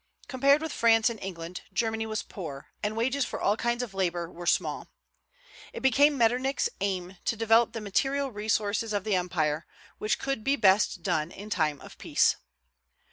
Compared with France and England Germany was poor, and wages for all kinds of labor were small. It became Metternich's aim to develop the material resources of the empire, which could be best done in time of peace.